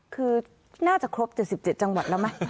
คือน่าจะครบ๗๗จังหวัดแล้วไหม